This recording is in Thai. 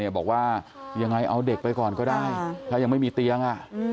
บอกว่ายังไงเอาเด็กไปก่อนก็ได้ถ้ายังไม่มีเตียง